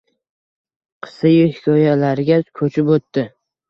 Qissayu hikoyalarga koʻchib o'tdi